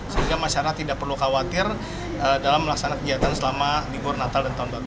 sehingga masyarakat tidak perlu khawatir dalam melaksanakan kegiatan selama libur natal dan tahun baru